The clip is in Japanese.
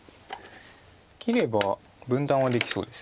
切れば分断はできそうです